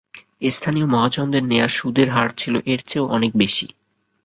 স্থানীয় মহাজনদের নেওয়া সুদের হার ছিল এর চেয়েও অনেক বেশি।